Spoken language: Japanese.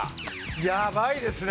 やばいですね。